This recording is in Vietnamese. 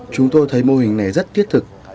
chúng tôi thấy mô hình này rất thiết thực